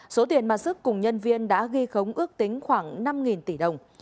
số tiền mà sức cùng nhân viên đã ghi khống ước tính khoảng năm tỷ đồng